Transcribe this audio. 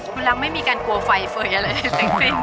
คุณละไม่มีการกลัวไฟเฟย์เลยใช่ไหม